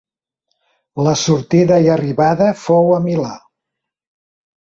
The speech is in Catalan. La sortida i arribada fou a Milà.